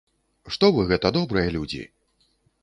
Што вы гэта, добрыя людзі?